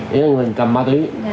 à hứa là người cầm ma túy